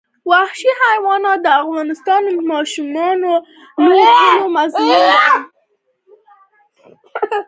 وحشي حیوانات د افغان ماشومانو د لوبو موضوع ده.